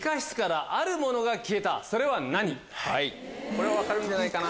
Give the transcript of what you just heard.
これは分かるんじゃないかな。